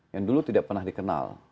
yang dulu tidak pernah dikenal